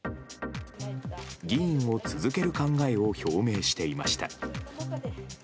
議員を続ける考えを表明していました。